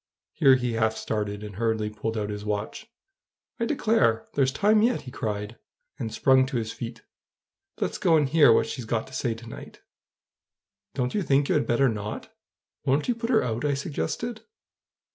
Here he half started, and hurriedly pulled out his watch, "I declare, there's time yet!" he cried, and sprung to his feet. "Let's go and hear what she's got to say to night." "Don't you think you had better not? Won't you put her out?" I suggested.